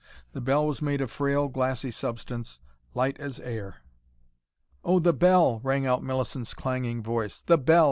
The bell was made of frail glassy substance, light as air. "Oh, the bell!" rang out Millicent's clanging voice. "The bell!